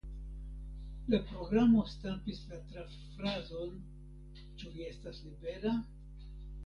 La programo stampis la traffrazon "Ĉu vi estas libera?